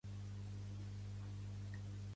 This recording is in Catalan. Stanley Clements va nàixer a Long Island, Nova York.